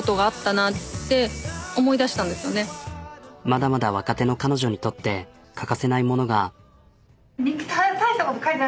まだまだ若手の彼女にとって欠かせないものが。